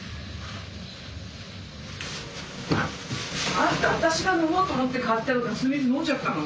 あんた私が飲もうと思って買ったガス水飲んじゃったの？